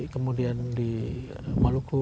kemudian di maluku